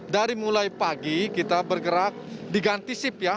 dari mulai pagi kita bergerak diganti sip ya